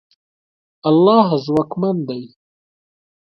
الله ځواکمن دی.